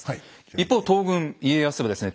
一方東軍家康はですね